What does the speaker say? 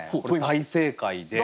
大正解で。